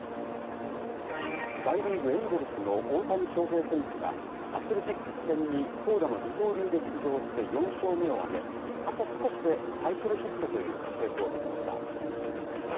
大リーグ、エンジェルスの大谷翔平選手がアスレティックス戦に投打の二刀流で出場して４勝目を挙げあと少しでサイクルヒットという活躍を見せました。